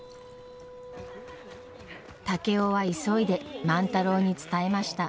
竹雄は急いで万太郎に伝えました。